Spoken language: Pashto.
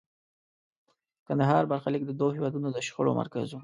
د کندهار برخلیک د دوو هېوادونو د شخړو مرکز و.